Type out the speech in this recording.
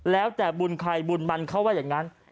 แล้วแต่บุญใครบุญมันเขาว่าอย่างนั้น